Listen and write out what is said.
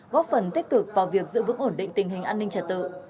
góp phần tích cực vào việc giữ vững ổn định tình hình an ninh trật tự